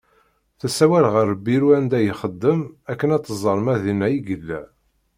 Tessawal ɣer lbiru anda ixeddem akken ad tẓer ma dinna i yella.